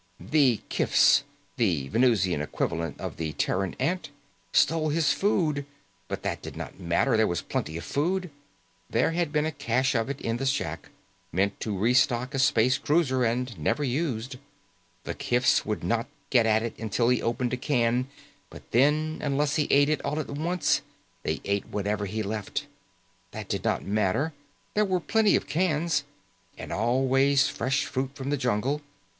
The kifs, the Venusian equivalent of the Terran ant, stole his food. But that did not matter; there was plenty of food. There had been a cache of it in the shack, meant to restock a space cruiser, and never used. The kifs would not get at it until he opened a can, but then, unless he ate it all at once, they ate whatever he left. That did not matter. There were plenty of cans. And always fresh fruit from the jungle.